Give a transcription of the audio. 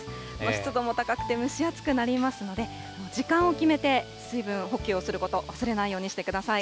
湿度も高くて蒸し暑くなりますので、時間を決めて水分補給をすることを忘れないようにしてください。